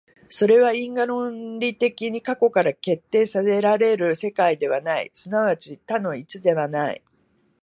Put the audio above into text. それは因果論的に過去から決定せられる世界ではない、即ち多の一ではない。